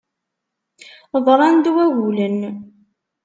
Ḍran-d wagulen.